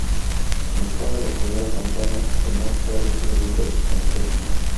Al cabo de la primera campaña, además, fue elegido mejor extranjero.